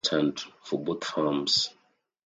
He was a consultant for both firms.